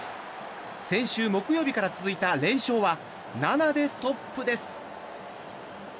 先週木曜日から続いた連勝は７でストップです。